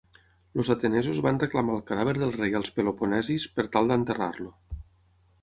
Els atenesos van reclamar el cadàver del rei als peloponesis per tal d'enterrar-lo.